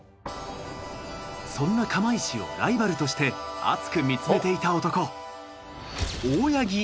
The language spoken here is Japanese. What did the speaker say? そんな釜石をライバルとして熱く見つめていた男。